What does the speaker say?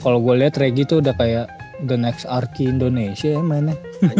kalo gue liat regi tuh udah kayak the next arki indonesia ya mainnya